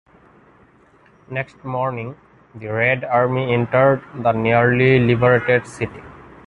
Next morning, the Red Army entered the nearly liberated city.